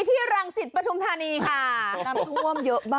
ที่รังสิทธิ์ปฐุมธานีค่ะน้ำถ้วมเยอะมาก